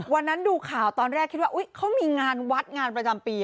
วันนั้นดูข่าวตอนแรกคิดว่าเขามีงานวัดงานประจำปี